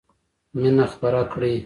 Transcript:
مینه خپره کړئ!